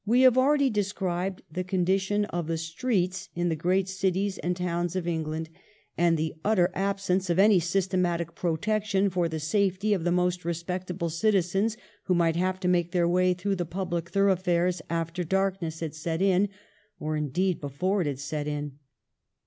We have already described the condition of the streets in the great cities and towns of England, and the utter absence of any systematic protection for the safety of the most respectable citizens who might have to make their way through the public thorough fares after darkness had set in, or indeed before it had set in.